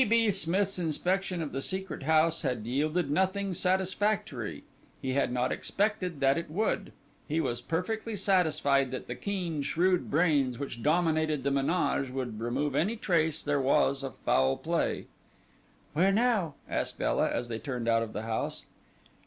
B. Smith's inspection of the Secret House had yielded nothing satisfactory; he had not expected that it would; he was perfectly satisfied that the keen, shrewd brains which dominated the menage would remove any trace there was of foul play. "Where now?" asked Ela, as they turned out of the house.